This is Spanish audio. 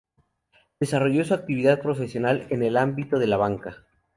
Desarrolló su actividad profesional en el ámbito de la banca.